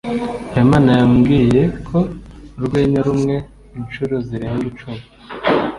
habimana yambwiye ko urwenya rumwe inshuro zirenga icumi